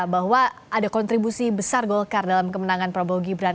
bahwa ada kontribusi besar golkar dalam kemenangan prabowo gibran